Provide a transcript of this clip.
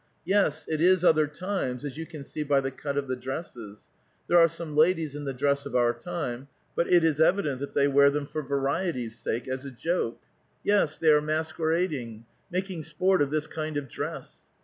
Yes, it is other times, as you can see by the cut of the dresses. There are some ladies in the dress of our time ; but it is evident that they wear them for variety's sake, as a joke ; yes, they are masquerading, making sport of this kind of dress.